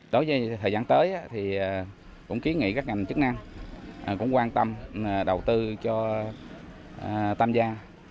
đối với thời gian tới thì cũng ký nghị các ngành chức năng cũng quan tâm đầu tư cho tam giang